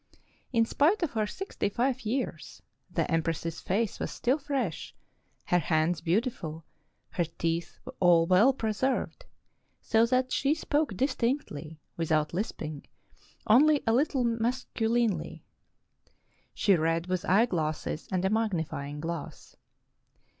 In spite of her sixty five years, the empress's face was still fresh, her hands beautiful, her teeth all well preserved, so that she spoke distinctly, without lisping, only a little mascu linely. She read with eyeglasses and a magnifying glass.